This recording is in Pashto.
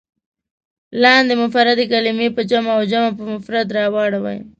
لاندې مفردې کلمې په جمع او جمع په مفرد راوړئ.